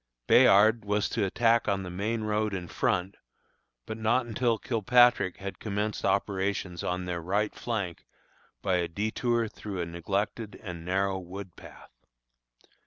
Bayard was to attack on the main road in front, but not until Kilpatrick had commenced operations on their right flank by a detour through a neglected and narrow wood path.